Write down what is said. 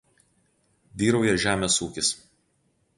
Vyrauja žemės ūkis.